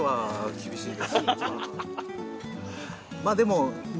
まあでも